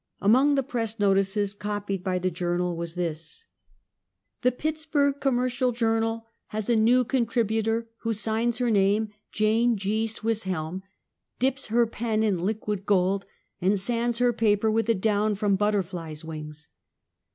Among the press notices copied by the Jour nal was this: Teaining School. 97 "The Pittsburg Commercial Journal has a new contributor who signs her name ' Jane G. Swisshelm,' dips her pen in liquid gold, and sands her paper with the down from butterflies' wings."